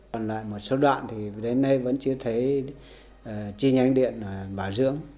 còn lại một số đoạn thì đến nay vẫn chưa thấy chi nhánh điện bảo dưỡng